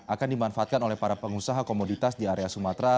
akan dimanfaatkan oleh para pengusaha komoditas di area sumatera